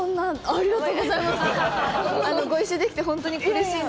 ありがとうございます。